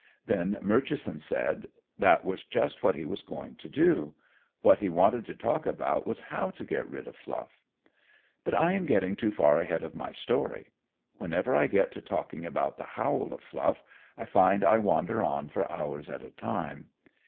Then Murchison said that was just what he was going to do. What he wanted to talk about was how to get rid of Fluff. But I am getting too far ahead of my story. Whenever I get to talking about the howl of Fluff, I find I wander on for hours at a time.